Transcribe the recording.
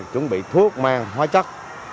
chuẩn bị thuốc mang hóa chất